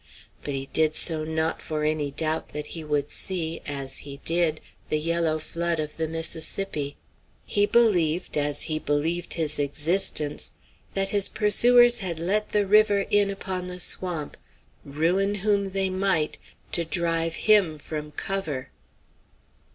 But he did so not for any doubt that he would see, as he did, the yellow flood of the Mississippi. He believed, as he believed his existence, that his pursuers had let the river in upon the swamp, ruin whom they might, to drive him from cover.